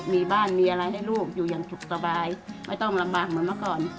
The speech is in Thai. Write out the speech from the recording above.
มีบ้านมีอะไรให้ลูกอยู่อย่างสุขสบายไม่ต้องลำบากเหมือนเมื่อก่อน